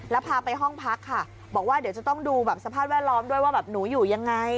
แล้วพาไปห้องพักค่ะบอกว่าเดี๋ยวจะต้องดูแบบสภาพแวดล้อมด้วยว่าแบบหนูอยู่ยังไง